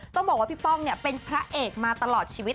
ต้องบอกว่าพี่ป้องเนี่ยเป็นพระเอกมาตลอดชีวิต